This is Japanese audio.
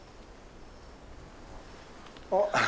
あっ。